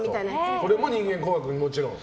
これも人間工学にもちろん。